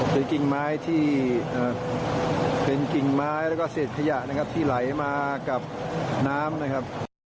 เป็นกิ่งไม้เป็นกิ่งไม้แล้วก็เสพไพยาที่ไหลมากับน้ำนะครับ